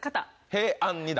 平安二段。